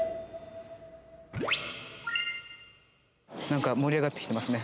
なんか盛り上がってきてますね。